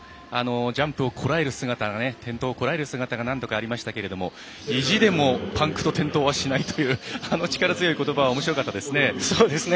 ジャンプをこらえる姿転倒をこらえる姿が何度かありましたけれども意地でもパンクと転倒はしないという、あの力強いことばおもしろかったですね。